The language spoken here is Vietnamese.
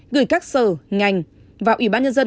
gửi các sở ngành vào ủy ban nhân dân